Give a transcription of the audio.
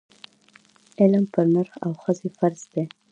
علم پر نر او ښځي فرض دی